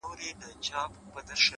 ته مي يو ځلي گلي ياد ته راوړه’